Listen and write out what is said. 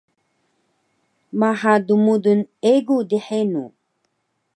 maha dmudul egu dhenu